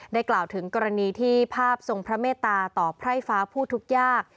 กล่าวถึงกรณีที่ภาพทรงพระเมตตาต่อไพร่ฟ้าผู้ทุกยาก